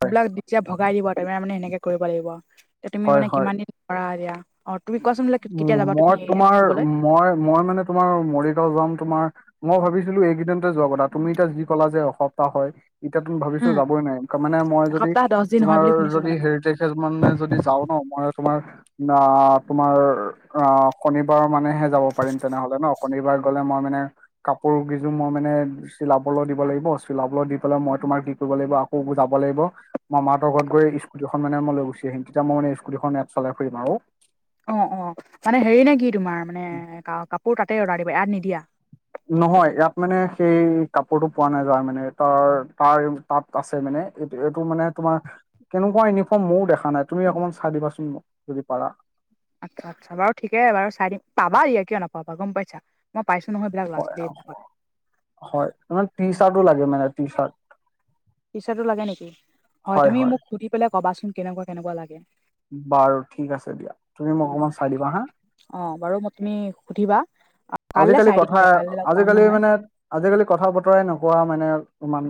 হয় বিলাক যেতিয়া ভগাই দিব তাৰমানে সেনেকে কৰিব লাগিব, এ, তুমি হয় মানে হয় কিমান দিন কৰা এতিয়া অ' তুমি কোৱাচোন বোলে কেতিয়া যাবা মই তুমি হেৰিলে তোমাৰ ফুৰিবলে? মই, মই মানে তোমাৰ মৰিগাঁও যাম মানে তোমাৰ মই ভাবিছিলোঁ এইকেইদিনতে যোৱা কথা, তুমি এতিয়া যি ক'লা যে এসপ্তাহ হয় এতিয়া তুম ভাবিছো যাবই নাই, তাৰ মানে মই যদি এসপ্তাহ দহ দিন হয় তোমাৰ বুলি শুনিছো যদি মানে মই। হেৰিজ তেজ মানে যদি যাওঁ ন' মই তোমাৰ না, তোমাৰ অ শনিবাৰৰ মানেহে যাব পাৰিম তেনেহলে ন', শনিবাৰ গ'লে মই মানে কাপোৰ কিজোৰ মই মানে চিলাবলৈ দিব লাগিব, চিলাবলৈ দি পেলাই মই তোমাৰ কি কৰিব লাগিব আকৌ যাব লাগিব। মামা হতৰ ঘৰত গৈ ইস্কুটীখন মানে মই লৈ গুচি আহিম, তেতিয়া মই‌ মানে স্কুটীখন এয়াত চলাই ফুৰিম আৰু। অ, অ, মানে হেৰি নেকি তোমাৰ মানে, কাপোৰ তাতে অৰ্ডাৰ দিবা ইয়াত নিদিয়া। নহয়, ইয়াত মানে সেই কাপোৰতটো পোৱা নাযায় মানে, তাৰ, তাৰ তাত আছে মানে, এইটো, এইটো মানে তোমাৰ কেনেকুৱা ইউনিফৰ্ম মইয়ো দেখা নাই, তুমি অকনমান চাই দিবাচোন, যদি পাৰা। আচ্ছা, আচ্ছা, বাৰু ঠিকে বাৰু, চাই দিম পাবা, দিয়া কিয় নাপাবা, গম পাইছা। মই পাইছো নহয়, এইবিল হয় ল'ৰাঢ-ছোৱালীবিলাক হয়, টি, চাৰ্টটো, লাগে মানে, টিচাৰ্ট। টিচাৰ্ট লাগে নেকি, হয় তুমি মোক সুধি পেলাই কবাচোন, কেনেকুৱা, কেনেকুৱা লাগে। বাৰু ঠিক আছে দিয়া, তুমি মোক অকমান চাই দিবা হা, অ, বাৰু মই তুমি, সুধিবা। কাইলৈ আজিকালি চাই দিম কথা, দিয়া কাইলৈ লগ পাম আজিকালি নহয়। মানে আজিকালি কথা বতৰাই নোকোৱা, মানে ইমান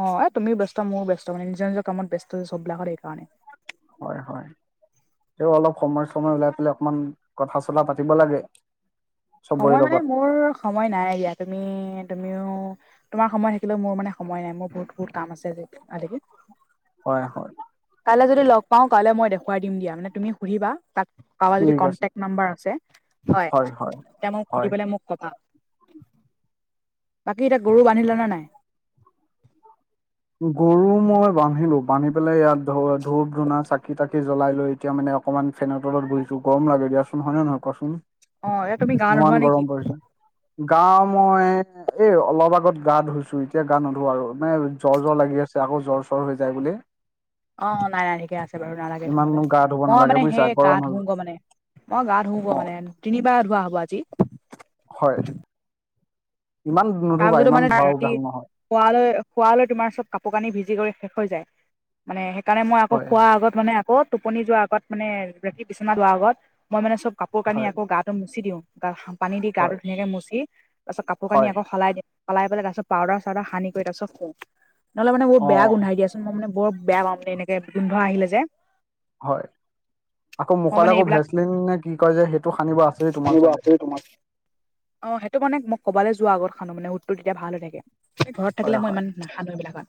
অ, এই তুমি ব্যস্ত, মইয়ো ব্যস্ত মানে, নিজৰ নিজৰ কামত ব্যস্ত হৈছে চ'ব বিলাকৰ এই কাৰণে। হয়, হয়। তেওঁ অলপ সময়, চময় ওলাই পেলাই অকমান কথা-চথা পাতিব লাগে। চবৰে সময় মানে, লগত মোৰ সময় নাই এয়া তুমি, তুমিও তোমাৰ সময় থাকিলেও, মোৰ মানে সময় নাই, মোৰ বহুত, বহুত, কাম আছে আজি হয়, হয়। কাইলৈ যদি লগ পাওঁ, কাইলৈ মই দেখুৱাই দিম দিয়া, মানে তুমি সুধিবা তাক কাৰাব যদি, ঠিক আছে কন্টেকঢ নাম্বাৰ আছে, হয়। এতিয়া সুধি হয় পেলাই মোক কবা, বাকী এতিয়া গৰু বান্ধিল নে নাই? গৰু মই বান্ধিলো, বান্ধি পেলাই ইয়াত ধ-ধূপ ধুনা চাকি- তাকি জ্বলাই লৈ এতিয়া মানেকমান ফেনৰ তলত পঢ়িছো, গৰম লাগে দিয়াচোন হয়, নহয় কোৱাচোন অ এতিয়া তুমি গা নোধোৱা ইমান নে কি গৰম পৰিছে। গা, মই এই অলপ আগত গা, ধুইছো এতিয়া গা, নুধো আৰু মানে জ্বৰ, জ্বৰ লাগি আছে আকৌ জ্বৰ, চৰ হৈ যায় বুলি। অ, নাই, নাই, ঠিকে আছে বাৰু নালাগে ইমানো ধুবলৈ, গা ধুব মই নালাগে মানে বুজিছা সেই গৰম গা-ধু হৈ গৈ মানে। মই গা, ধু্ গৈ অ মানে, তিনিবাৰ ধোৱা হ'ব আজি। হয়। ইমান নুধুবা, তাৰপিছতো ইমান মানে ধোৱাও ৰাতি ভাল নহয়। শুৱালৈ, শুৱালৈ তোমাৰ চব কাপোৰ-কানি, ভিজি কৰি শেষ হৈ যায় মানে কাৰণে মই আকৌ হয় খোৱাৰ আগত, মানে আকৌ টোপনি যোৱাৰ আগত মানে ৰাতি বিচনা লোৱাৰ আগত, মই মানে চ'ব কপোৰ কানি হয় আকৌ, গাটো মচি দিওঁ গা পানী দি হয় গাটো ধুনীয়াকে মচি তাৰপিছত কাপোৰ কানি হয় আকৌ সলাই দিওঁ সলাই তাৰপাছত পাউডাৰ- চাউডাৰ তাৰ পিছত শু নহ'লে মানে বৰ অ বেয়া গোন্ধাই দিয়াচোন, মই মানে বৰ বেয়া পাওঁ, মানে এনেকে গোন্ধ আহিলে যে হয়, আকৌ মই মুখত মানে আকৌ এইবিলাক ভেচলিন নে কি কয় যে, সেইটো সানিব আছেি তোমাৰ চাগে? তোমা অ, সেইটো মানে মই কবালৈ যোৱা আগত খানো, মানে উঠটো তেতিয়া ভাল হৈ থাকে, ঘৰত হয় থাকিলে মই হয় ইমান [inaudible] বিলাকত।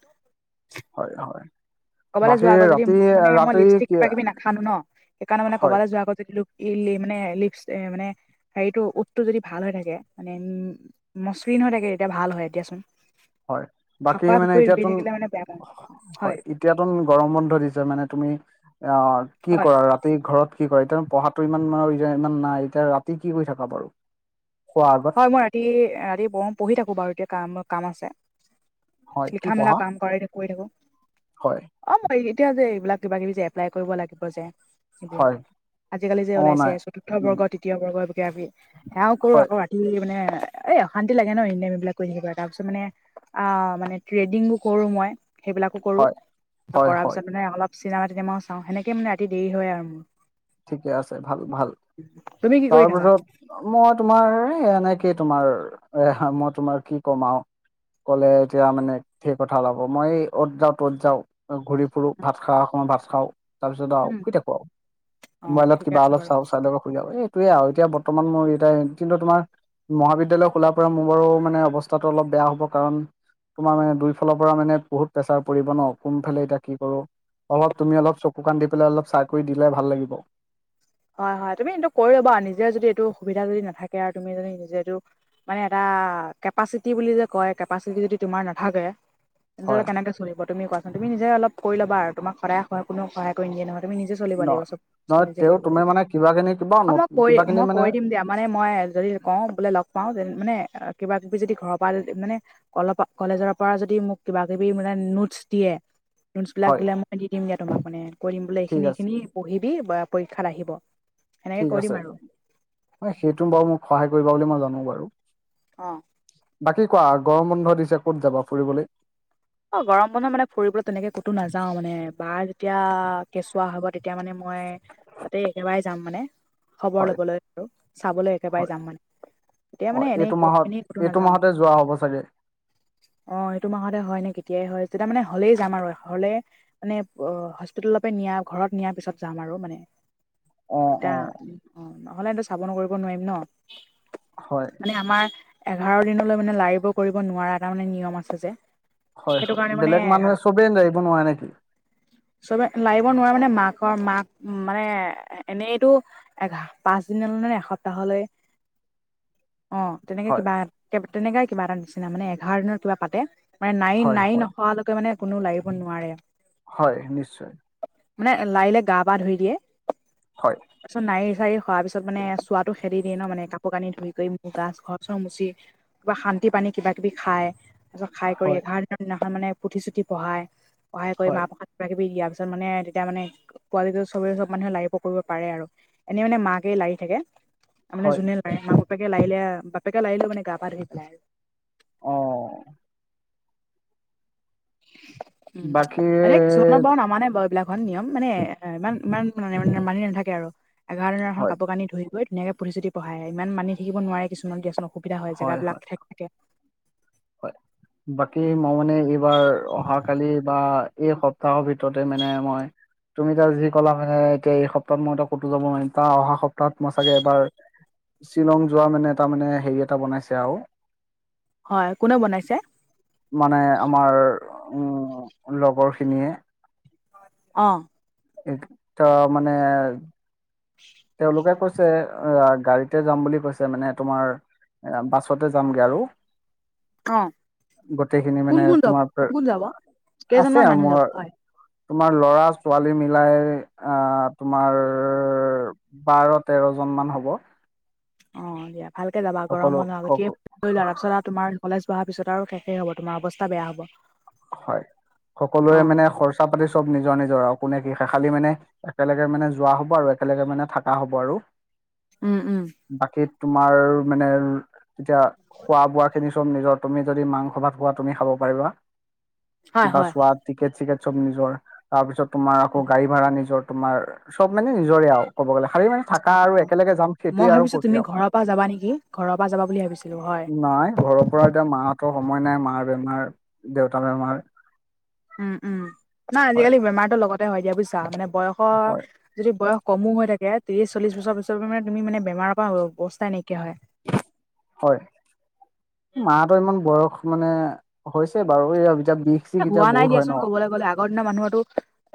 হয়, হয়। ক'বালে বাকী যোৱা আগত যদি ৰাতি মানে মই ৰাতি লিপষ্টিক কি কিবা- কিবি নাখানো ন, সেইকাৰণে হয় কবালে যোৱা আগত মানে লিপ মানে, হেৰিতৰ উটটো যদি ভাল হৈ থাকে, মানে উম, ম [inaudible] হৈ থাকে, তেতিয়া ভাল হয়, এতিয়া দিয়া চোন। হয়, বাকী মানে, এতিয়াতোন, থাকিলে মানে বেয়া পাওঁ হয়। এতিয়াতো গৰম বন্ধ দিছে, মানে তুমি আহ, কি হয় কৰা ৰাতি ঘৰত কি কয় এতিয়া পঢ়াতটো ইমান মান ইমান নাই, এতিয়া ৰাতি কি কৰি থাকা বাৰু? খোৱা আগত হয় মই ৰাতি ৰাতি পঢ়, পঢ়ি থাকো বাৰু, এতিয়া কাম কাম আছে। হয় কি লিখা মেলা পঢ়া কাম কৰি কৰি থাকোঁ। হয়। অ' মই এতিয়া যে এইবিলাক কিবা কিবি যে এপ্লাই কৰিব লাগিব যে এইবিলাক হয় আজিকালি যে অ ওলাইছে নাই চতুৰ্থ উম বৰ্গ, তৃতীয় বৰ্গ এই কিবা কিবি সেয়াও কৰোঁ হয় আকৌ ৰাত তি মানে এই অশান্তি লাগে ন' ইনে এইবিলাক কৰি থাকিব তাৰপিছত মানে আ, মানে ট্ৰেডিং কৰোঁ মই, সেইবিলাক হয় কৰোঁ হয় কৰাৰ হয় পিছত মানে অলপ চিনেমা টিনেমাও চাওঁ সেনেকে মানে ৰাতি দেৰি হয় আৰু মোৰ। ঠিকে আছে ভাল ভাল। তুমি কি কৰি থাকা তাৰপিছত মই তোমাৰ এনেকেই তোমাৰ এ, মই তোমাৰ কি ক'ম আৰু। ক'লে এতিয়া মানে ঢেৰ কথা ওলাব, মই অ'ত যাওঁ ত'ত যাওঁ। ঘূৰি ফুৰোঁ, ভাত খাওঁ, সময়ত ভাত খাওঁ তাৰপিছত আৰু উম, শুই থাকোঁ আৰু। অ মোবাইলত ঠিকে কিবা আছে অলপ বাৰু চাওঁ, চাই লৈ শুই যাওঁ, এইটোৱে আৰু এতিয়া বৰ্তমান মোৰ এ, কিন্তু তোমাৰ মহাবিদ্যালয় খোলাৰ পৰা মোৰ বাৰু মানে অৱস্থাটো অলপ বেয়া হ'ব কাৰণ তোমাৰ মানে দুইফালৰ পৰা মানে বহুত প্ৰেছাৰ পৰিব ন' কোনফালে এতিয়া কি কৰোঁ। অলপ তুমি অলপ চকু কাণ দি পেলাই অলপ চাই কৰি দিলে ভাল লাগিব। হয় হয়, তুমি এইটো কৰি ল'বা, নিজে যদি এইটো সুবিধা যদি নাথাকে আৰু তুমি যদি নিজে এইটো মানে এটা কেপাচিটি বুলি যে কয়, কেপাচিটি যদি তোমাৰ নাথাকে তেন্ত হলে হয় কেনেক চলিব তুমি কোৱাচোন, তুমি নিজে অলপ কৰি ল'বা আৰু তোমাক সদায় কোনেও সহায় কৰি নিদিয়ে নহয়। তুমি নিজ চলিব ন লাগিব, চব বস্তু নহয় নিজে তেওঁ কৰিব তুমি লাগিব। মানে কিবাখিনি কিবা অ' মই কৈ, কিবা খিনি মই মানে কৈ দিম দিয়া, মানে মই যদি কওঁ বোলে লগ পাওঁ, মানে কিবা কিবি যদি ঘৰৰ পৰা মানে অলপ কলেজৰ পৰা যদি মোক কিবা কিবি মানে নোটছ দিয়ে নোটছবিলাক হয় দিলে মই দি দিম দিয়া তোমাক মানে কৈ দিম বোলে ঠিক এইখিনি আছে এইখিনি পঢ়িবি বা পৰীক্ষাত আহিব। সেনেকে ঠিক কৈ দিম আছে, আৰু সেইটো বাৰু মোক সহায় কৰিবা বুলি মই জানো বাৰু। অ'। বাকী কোৱা গৰম বন্ধ দিছে ক'ত যাবা ফুৰিবলৈ? অ' গৰম বন্ধত মানে ফুৰিবলৈ তেনেকে ক'তো নাযাও মানে, বাৰ যেতিয়া কেঁচুৱা হ'ব তেতিয়া মানে মোক মই তাতেই একেবাৰে যাম মানে, খবৰ হয় ল'বলৈ আৰু, চাবলৈ একেবাৰে হয় যাম মানে। এতিয়া অ মানে এনেই এইটো ক'ত এনেই ক'তো মাহত এইটো নাযাও। মাহতে যোৱা হ'ব চাগে অ' এইটো মাহতে হয় নে যেতিয়াই হয়, যেতিয়া মানে হ'লেই যাম আৰু হ'লে মানে অ' হস্পিতালৰ পৰা নিয়া ঘৰত নিয়াৰ পিছত যাম আৰু মানে। অ তেতিয়া অ অ' নহ'লে [unintelligible] কৰিব নোৱাৰিম ন'। হয়। মানে আমাৰ এঘাৰ দিনলৈ মানে লাৰিব কৰিব নোৱাৰা এটা মানে নিয়ম আছে যে। হয় সেইটো হয়, কাৰণে বেলেগ মানে মানুহে চবেই জায়িব নোৱাৰে নেকি? চবে লাৰিব নোৱাৰে মানে মাকৰ মাক মানে এনেইটো এঘা পাঁচ দিন নে এসপ্তাহলৈ, অ'। তেনেকৈ হয় কিবা তে তেনেকাই কিবা এটা নিচিনা মানে এঘাৰ দিনৰত কিবা পাতে। নাই হয় নাই হয় নখোৱালৈকে মানে কোনো লাগিব নোৱাৰে। হয় নিশ্চয়। মানে লাৰিলে গা পা ধুই দিয়ে। হয়। তাৰপিছত নাৰী-চাৰি সৰাপিচত মানে চোৱাটো খেদি দিয় ন মানে কাপোৰ কানি ধুই কৰি মোৰ গছ ঘৰ-চৰ মুচি কিবা শান্তি পানী কিবা কিবি খায়, তাৰিছত হয় এঘাৰ দিনৰ দিনাখন মানে পুথি-চুথি পঢ়াই পঢ়াই কৰি মা হয় পৰখাত কিবাকিবি দিয়াৰ পিছত মানে তেতিয়া মানে পোৱালিটো চবৰে চব মানুহে লাৰি পক কৰিব পাৰে আৰু, এনেই মানে মাকে লাৰি থাকে ত মানে হয় যোনে লাৰে মাক বাপেকে লৰিলে বাপেকে লাৰিলেও মানে ধই পেলাই আৰু। অ। উম বাকী এ কিছুমানৰ বাৰু নামানে বাৰু এইবিলাক। এখন নিয়ম মানে এ ইমান ইমান মানি মানি নাথাকে আৰু এঘাৰ দিনৰ এখন হয় কাপোৰ কানি ধুই গৈ ধুনীয়াকে পুঠি-চুঠি পঢ়ায় ইমান মানি থাকিব নোৱাৰে কিছুমান কিছুমান অসুবিধা হয় জাগাবিলাক ঠেক থাকে হয়। বাকী উম, মই মানে এইবাৰ অহা কালি বা এই সপ্তাহৰ ভিতৰতে মানে আমাৰ তুমি তাৰ যি ক'লা হয়ে এতিয়া এই সপ্তাহ মই তই কতো যাব নোৱাৰিম তাৰ অহা সপ্তাহত মই চাগে এবাৰ শ্বিলং যোৱা মানে এটা মানে হেৰি এটা বনাইছে আৰু হয় কোনে বনাইছে? মানে আমাৰ উম লগৰ খিনিয়ে অ। এক টা মানে [unintelligible] তেওঁলোকে কৈছে গাড়ীতে যাম বুলি কৈছে মানে তোমাৰ এ বাছতে যামগৈ আৰু অ গোটেই খিনি কোন মানে কোন যাব তোমাৰ কোন কোন যাব আছে কেইজনমান মানুহ যাব মোৰ হয় তোমাৰ ল'ৰা ছোৱালী মিলাই আহ তোমাৰ বাৰ-তেৰ জন মান হ'ব। অ দিয়া ভালকে যাবা সকলো গৰম বন্ধ লৈ সক লোৱা। তাৰপিছত আৰু তোমাৰ কলেজ পঢ়াৰ পিছত আৰু শেষ হ'ব তোমাৰ অৱস্থা বেয়া হ'ব। হয়। অ সকলোৱেৰে মানে খৰচা পাতি চব নিজৰ নিজৰ আৰু কোনে কি খাই খালি মানে একেলগে মানে যোৱা হ'ব আৰু একেলগে মানে থকা হ'ব আৰু। উম উম। বাকী তোমাৰ মানে যেতিয়া খোৱা-বোৱা খিনি চব নিজৰ, তুমি যদি মাংস ভাত খোৱা তুমি খাব পাৰিবা। হয় কিবা হয় চোৱা টিকেট চিকেট চব নিজৰ, তাৰ পিছত তোমাৰ আকৌ গাড়ী ভাড়া নিজৰ, তোমাৰ চব মানে নিজৰে আৰু ক'ব গ'লে খালী মানে অ থাকা আৰু একেলগে যাম মই সেইটোৱে আৰু ভাবিছো তুমি ফুৰ্তি ঘৰৰ পৰা যাবা নেকি ঘৰৰ পৰা যাবা বুলি ভাবিছিলো হয় আউ। নাই ঘৰত ঘৰত এতিয়া মাহঁতৰ সময় নাই মাৰ বেমাৰ, দেউতা বেমাৰ, উম উম না হয় আজিকালি বেমাৰতো লগতে হয় দিয়া বুজিছা, মানে বয়সৰ হয় যদি বয়স কমো হৈ থাকে, ত্ৰিশ-চল্লিশ বছৰ পিছৰ পৰা মানে তুমি মানে বেমাৰৰ পৰা অৱস্থা নাইকিয়া হয়। হয়। মাহঁতৰ ইমান বয়স মানে হৈছে বাৰু এই এতিয়া বিষ এ চিষ এতিয়া হোৱা নাই বহুত হয় ন দিয়াচোন ক'বলৈ গ'লে আগৰ দিনা মানুহটো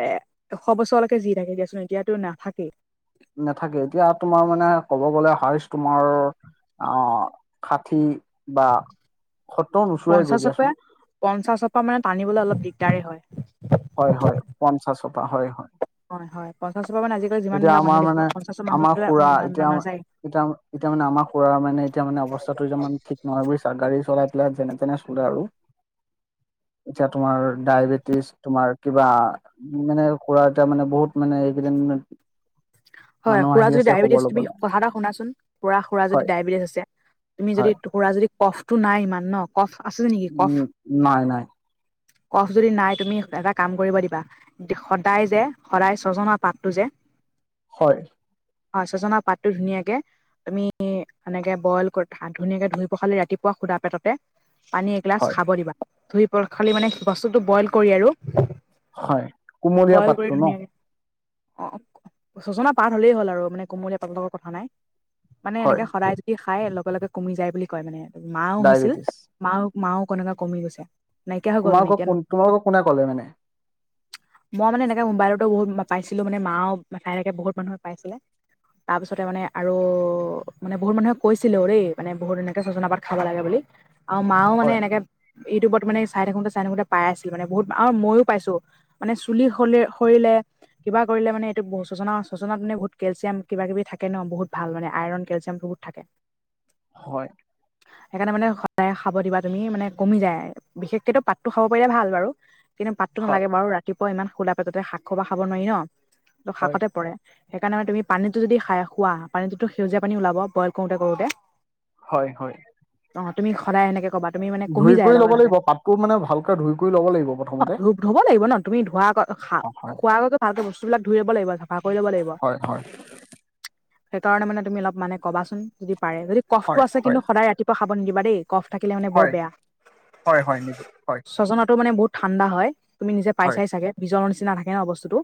এশ বছৰলৈকে যি থাকে দিয়াচোন এতিয়াতো নাথাকেই। নাথাকে এতিয়া তোমাৰ মানে ক'ব গ'লে হাইচ তোমাৰ অ ষাঠী বা সত্তৰ নোচোৱাই গৈ পঞ্চাশৰ দিয়াচোন পৰা পঞ্চাশৰ পা মানে টানিবলৈ অলপ দিগদাৰে হয়। হয় হয় পঞ্চাশৰ পা হয় হয়। হয়, হয় পঞ্চাশৰ পৰা মানে আজিকালি যিমান এতিয়া বিলাক আমাৰ মানুহ দেখিব মানে পঞ্চাশৰ আমাৰ খুৰা মানুহবিলাক এতিয়া নাযায়। এতিয়া এতিয়া মানে আমাৰ খুৰাৰ মানে এতিয়া মানে অৱস্থাটোমান ঠিক। নহয় বুজিছা, গাড়ী চলাই পেলাই যেনে তেনে চলে আৰু। এতিয়া তোমাৰ ডায়বেটিছ তোমাৰ কিবা মানে খুৰা এটা মানে বহুত মানে এইকেইদিন হয়, মানুহ খুৰা আহি যদি আছে ডায়েবেটিছ খবৰ তুমি ল'বলে কথা এটা শুনাচোন, পুৰা খুৰা যদি হয় ডায়েবেটিছ আছে। তুমি যদি হয় টুকুৰা যদি কফটো নাই ইমান ন কফ আছে যে নেকি কফ। উম নাই নাই কফ যদি নাই তুমি এটা কাম কৰিব দিবা। সদায় যে সদায় ছজনাৰ পাতটো যে হয়। হয় সজনাৰ পাতটো ধুনীয়াকে তুমি সেনেকে বইল কৰি ধুনীয়াকে ধুই পখালি ৰাতিপুৱা শুদা পেটতে পানী এগিলাচ হয় খাব দিবা ধুই পখালি মানে বস্তুটো বইল কৰি আৰু হয় কুমলীয়া বইল কৰি পাতটো ন ধুনীয়াকে অ', চজনা পাত হলেই হ'ল আৰু মানে কুমলীয়া পাতৰ লগত কথা নাই মানে হয় এনেকে সদায় যদি খাই লগে লগে কমি যায় বুলি কয় মানে মাও হৈছিল ডায়বেটিছ মা মাও কেনেকুৱা কমি গৈছে। নাইকিয়া হৈ গ'ল মানে তোমালোকক এতিয়া কোন তোমালোকক কোনে কলে মানে। মই মানে এনেকে মোবাইলতো বহুত পাইছিলোঁ মানে মাও চাই থাকে বহুত মানুহে পাইছিলে। তাৰপিছতে মানে আৰু মানে বহুত মানুহে কৈছিলেও দেই মানে বহুত এনেকে চজনা পাত খাব লাগে বুলি। আৰু মাও মানে হয় এনেকে ইউটিউবত মানে চাই থাকোতে চাই থাকোঁতে পাই আছিল মানে বহুত আৰু মইও পাইছোঁ। মানে চুলি সলে সৰিলে কিবা কৰিলে মানে এইটো বহুত চজনা চজিনাত মানে বহুত কেলচিয়াম কিবা কিবি থাকে ন বহুত ভাল মানে আইৰন কেলচিয়াম বহুত থাকে। হয়। সেইকাৰণে মানে সদায় খাব দিবা তুমি মানে কমি যায়। বিশেষকেতো পাতটো খাব পাৰিলে ভাল বাৰু। কিন্তু পাততো হয় নালাগে বাৰু ৰাতিপুৱা ইমান খোলা পেটতে শাক সোপা খাব নোৱাৰি ন ত হয় শাকতে পৰে। সেইকাৰণে মানে তুমি পানীটো যদি খাই খোৱা পানীটোতো সেউজীয়া পানী ওলাব বইল কৰোতে, কৰোতে। হয়, হয়। অ', তুমি সদায় এনেকে কবা। তুমি মানে কমি ধুই যায় কৰি লগে ল'ব লগে লাগিব পাতটো মানে ভালকে ধুই কৰি ল'ব লাগিব অ প্ৰথমতে ধুপ, ধুব লাগিব ন তুমি ধোৱা আগত খা হয় খোৱা আগত ভালকে বস্তু বিলাক ধুই লব লাগিব চাফা কৰি ল'ব লাগিব হয় হয় সেইকাৰণে মানে তুমি অলপ মানে ক'বাচোন। যদি পাৰে যদি কফটো হয় আছে হয় কিন্তু সদায় ৰাতিপুৱা খাব নিদিবা দেই কফ থাকিলে মানে বৰ হয় বেয়া। হয়, হয় নিদো হয়। চজনাতো মানে বহুত ঠাণ্ডা হয়, তুমি নিজে পাই হয় চাই চাগে বিজৰ নিচিনা থাকে ন বস্তুটো।